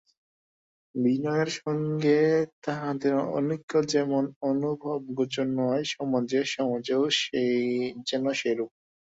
বিনয়ের সঙ্গে তাহাদের অনৈক্য যেমন অনুভবগোচর নয়, সমাজে সমাজেও যেন সেইরূপ।